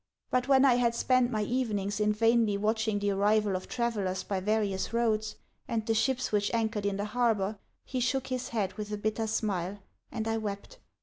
But when I had spent my evenings in vainly watching the arrival of travellers by various roads. 58 HANS OF ICELAND. ami the ships which anchored in the harbor, he shook his head with a bitter smile, and I wept.